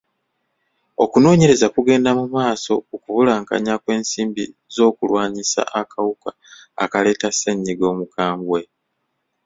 Okunoonyereza kugenda mu maaso ku kubulankanya kw'ensimbi z'okulwanyisa akawuka akaleeta ssenyiga omukambwe.